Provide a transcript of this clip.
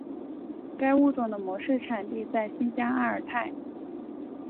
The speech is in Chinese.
该物种的模式产地在新疆阿尔泰。